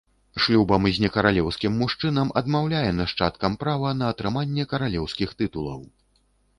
Шлюбам з не каралеўскім мужчынам адмаўляе нашчадкам права на атрыманне каралеўскіх тытулаў.